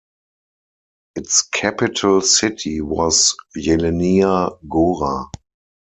Its capital city was Jelenia Gora.